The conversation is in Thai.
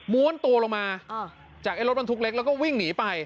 ้วนตัวลงมาจากไอ้รถบรรทุกเล็กแล้วก็วิ่งหนีไป